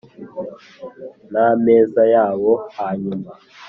N ameza yabo hanyuma